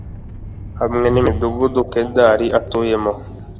hamwe n’imidugudu Kedari atuyemo;